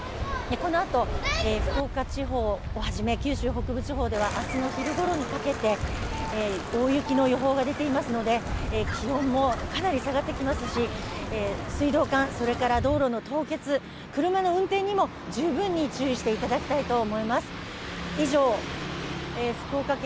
このあと、福岡地方をはじめ、九州北部地方では、明日の昼ごろにかけて大雪の予報が出ていますので、気温もかなり下がってきますし、水道管、それから道路の凍結、車の運転にも十分に注意していただきたいと思います。